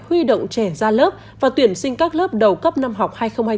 huy động trẻ ra lớp và tuyển sinh các lớp đầu cấp năm học hai nghìn hai mươi hai nghìn hai mươi một